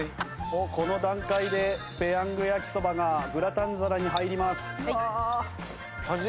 この段階でペヤング焼きそばがグラタン皿に入ります。